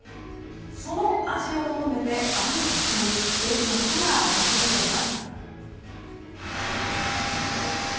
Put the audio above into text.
その味を求めて、ある場所に多くの人が訪れています。